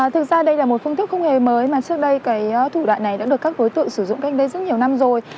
thực ra đây là một phương thức không hề mới mà trước đây cái thủ đoạn này đã được các đối tượng sử dụng cách đây rất nhiều năm rồi